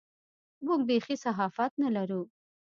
موږ بېخي صحافت نه لرو.